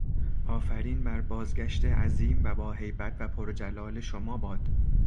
آفرین بر بازگشت عظیم و باهیبت و پرجلال شما باد.